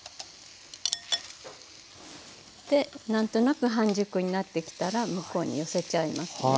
で何となく半熟になってきたら向こうに寄せちゃいますね。